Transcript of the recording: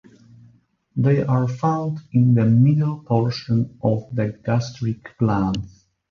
They are found in the middle portion of the gastric glands.